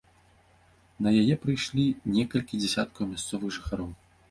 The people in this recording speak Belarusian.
На яе прыйшлі некалькі дзясяткаў мясцовых жыхароў.